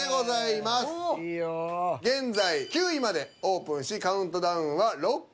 現在９位までオープンしカウントダウンは６回。